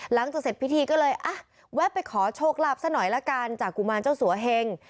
หลังจากเสร็จพิธีก็เลยอ่ะแวะไปขอโชคลาภซะหน่อยละกันจากกุมารเจ้าสัวเฮง